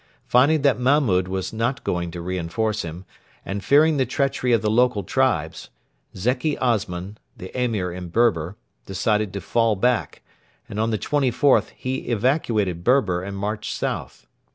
Finding that Mahmud was not going to reinforce him, and fearing the treachery of the local tribes, Zeki Osman, the Emir in Berber, decided to fall back, and on the 24th he evacuated Berber and marched south.